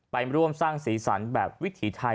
ไปร่วมสร้างสีสันแบบวิถีไทย